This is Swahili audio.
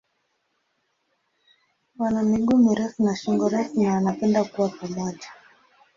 Wana miguu mirefu na shingo refu na wanapenda kuwa pamoja.